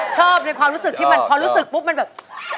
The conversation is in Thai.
ชอบในความรู้สึกที่มันพอรู้สึกปุ๊บมันแบบ